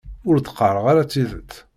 Ur d-qqareɣ ara tidet.